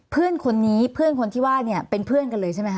เพื่อนคนนี้เพื่อนคนที่ว่าเนี่ยเป็นเพื่อนกันเลยใช่ไหมคะ